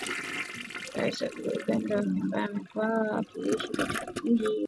Bw Ssebbo Ogongo, raia wa Uganda, ambaye amekuwa akiishi katika mji mkuu wa Kenya, Nairobi, kwa miaka kadhaa